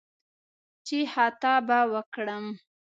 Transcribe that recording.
چې «خطا به وکړم»